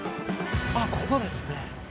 あっここですね。